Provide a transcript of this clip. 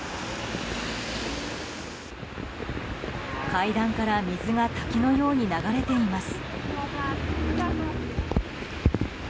階段から水が滝のように流れています。